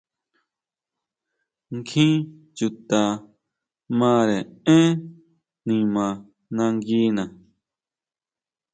Kjín chuta mare énn nima nanguina.